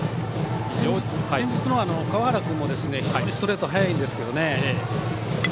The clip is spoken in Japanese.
先日の河原君も非常にストレート速いんですけど。